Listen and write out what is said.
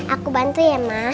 aku bantu ya ma